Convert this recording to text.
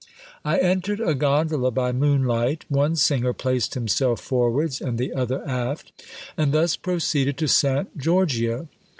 I entered a gondola by moonlight: one singer placed himself forwards, and the other aft, and thus proceeded to Saint Giorgio.